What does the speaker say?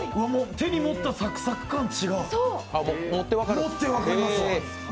手に持ってサクサク感じが？